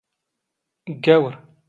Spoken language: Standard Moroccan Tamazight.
ⴳⴳⴰⵡⵔ!